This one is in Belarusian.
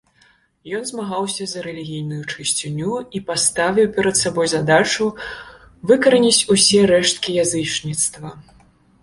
Ён змагаўся за рэлігійную чысціню і паставіў перад сабой задачу выкараніць усе рэшткі язычніцтва.